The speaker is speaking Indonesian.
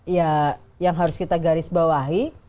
ya yang harus kita garis bawahi